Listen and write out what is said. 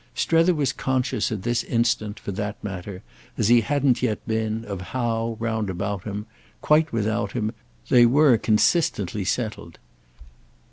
Strether was conscious at this instant, for that matter, as he hadn't yet been, of how, round about him, quite without him, they were consistently settled.